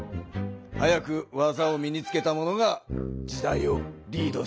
早く技を身につけた者が時代をリードしていけるぞ。